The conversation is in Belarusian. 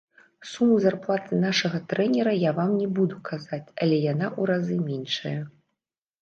Суму зарплаты нашага трэнера я вам не буду казаць, але яна ў разы меншая.